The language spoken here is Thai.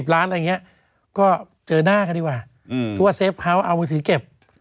สิบล้านอะไรอย่างเงี้ยก็เจอหน้ากันดีกว่าอืมทุกวันเซฟพาวท์เอามือสีเก็บ